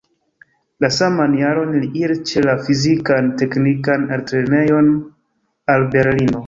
La saman jaron li iris ĉe la Fizikan-teknikan altlernejon al Berlino.